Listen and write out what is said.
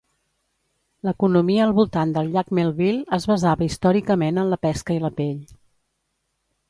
L'economia al voltant del llac Melville es basava històricament en la pesca i la pell.